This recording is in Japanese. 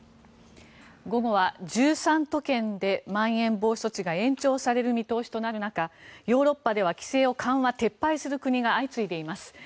午後は１３都県でまん延防止措置が延長される見通しとなる中ヨーロッパでは規制を緩和撤廃する国が相次いでいます。